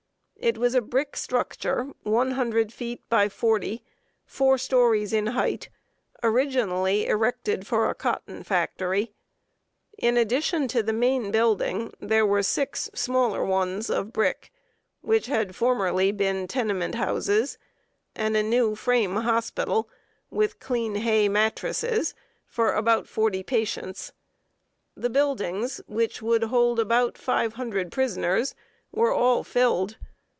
It was a brick structure, one hundred feet by forty, four stories in hight, originally erected for a cotton factory. In addition to the main building, there were six smaller ones of brick, which had formerly been tenement houses; and a new frame hospital, with clean hay mattresses for forty patients. The buildings, which would hold about five hundred prisoners, were all filled.